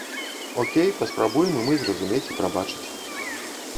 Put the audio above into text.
Окей, паспрабуем і мы зразумець і прабачыць.